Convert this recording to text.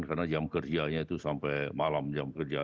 karena jam kerjanya itu sampai malam jam kerja